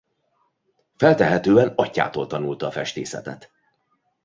Feltehetően atyjától tanulta a festészetet.